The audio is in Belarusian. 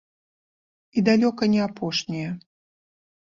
І далёка не апошняя.